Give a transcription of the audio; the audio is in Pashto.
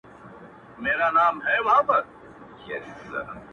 غټي سترگي شينكى خال د چا د ياد-